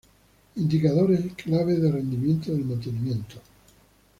Indicadores clave de rendimiento del mantenimiento".